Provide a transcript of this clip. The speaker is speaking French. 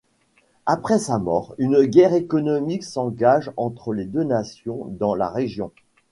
Après sa mort, une guerre économique s'engage entre les deux nations dans la région.